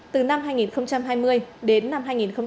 từ năm hai nghìn hai mươi đến năm hai nghìn hai mươi